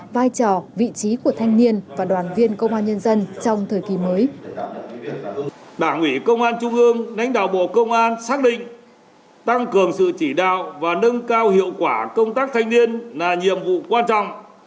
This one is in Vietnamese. vai trò vị trí của thanh niên và đoàn viên công an nhân dân trong thời kỳ mới